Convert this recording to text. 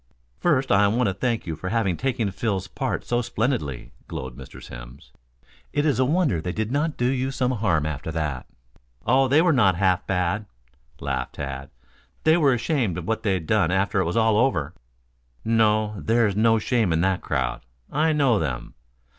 "First I want to thank you for having taken Phil's part so splendidly," glowed Mr. Simms. "It is a wonder they did not do you some harm after that." "Oh, they were not half bad," laughed Tad. "They were ashamed of what they'd done after it was all over." "No. There's no shame in that crowd. I know them.